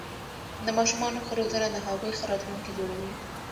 د ماشومانو ښه روزنه د هغوی ښه راتلونکې جوړوي.